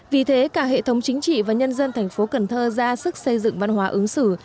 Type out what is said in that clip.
vì thế cả hệ thống chính trị và nhân dân thành phố cần thơ ra sức xây dựng văn hóa ứng xử